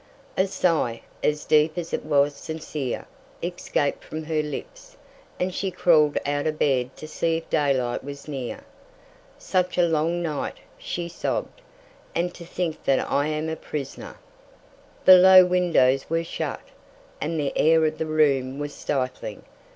A sigh, as deep as it was sincere, escaped from her lips, and she crawled out of bed to see if daylight was near. "Such a long night!" she sobbed, "and to think that I am a prisoner!" The low windows were shut, and the air of the room was stifling.